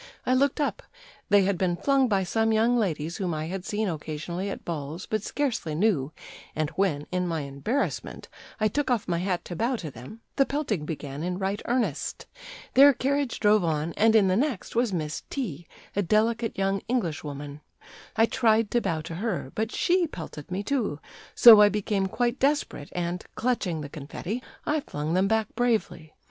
I looked up; they had been flung by some young ladies whom I had seen occasionally at balls, but scarcely knew, and when, in my embarrassment, I took off my hat to bow to them, the pelting began in right earnest. Their carriage drove on, and in the next was Miss T , a delicate young English woman. I tried to bow to her, but she pelted me, too; so I became quite desperate, and, clutching the confetti, I flung them back bravely.